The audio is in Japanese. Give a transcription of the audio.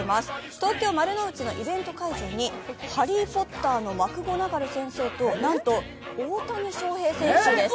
東京・丸の内のイベント会場に「ハリー・ポッター」のマクゴナガル先生となんと、大谷翔平選手です。